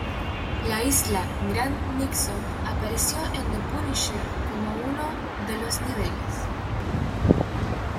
La isla Grand Nixon apareció en The Punisher como uno de los niveles.